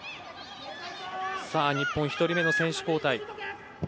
日本、１人目の選手交代。